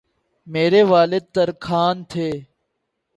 میرے والد ترکھان تھے